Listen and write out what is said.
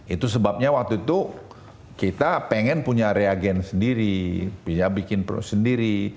itu sebabnya waktu itu kita pengen punya reagen sendiri punya bikin produk sendiri